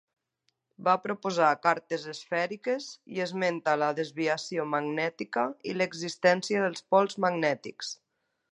Va proposar cartes esfèriques i esmenta la desviació magnètica i l'existència dels pols magnètics.